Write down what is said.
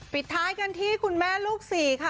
ปิดท้ายกันที่คุณแม่ลูกสี่ค่ะ